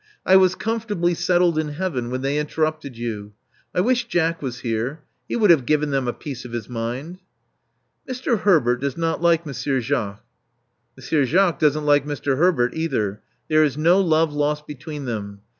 I was comfortably settled in heaven when they interrupted you. I wish Jack was here. He would have given them a piece of his mind." Mr. Herbert does not like Monsieur Jacques." Monsieur Jacques doesn't like Mr. Herbert either. • There is no love lost between them.